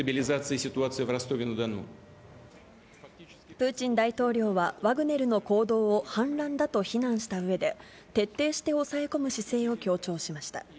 プーチン大統領は、ワグネルの行動を反乱だと非難したうえで、徹底して抑え込む姿勢を強調しました。